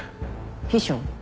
秘書？